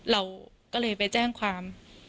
เราก็เลยไปแจ้งความ